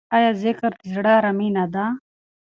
آیا ذکر د زړه ارامي نه ده؟